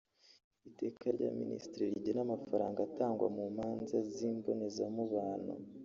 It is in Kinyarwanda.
Iteka rya Minisitiri rigena amafaranga atangwa mu manza z’imbonezamubano